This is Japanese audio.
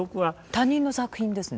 他人の作品ですね。